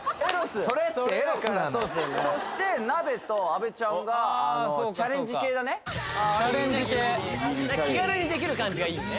「それ」って「エロス」なのそしてなべと阿部ちゃんがチャレンジ系だねチャレンジ系気軽にできる感じがいいよね